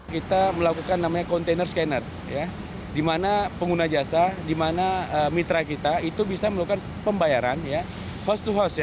kita melakukan namanya container scanner di mana pengguna jasa di mana mitra kita itu bisa melakukan pembayaran host to host ya